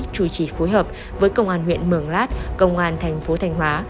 trùy trì phối hợp với công an huyện mường lát công an thành phố thành hóa